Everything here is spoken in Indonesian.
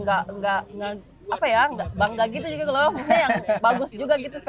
bangga gitu juga kalau bagus juga gitu